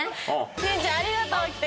晋ちゃんありがとう来てくれて。